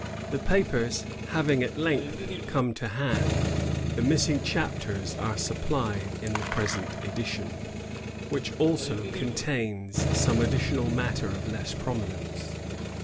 The papers having at length come to hand, the missing chapters are supplied in the present edition, which also con tains some additional matter of less prominence.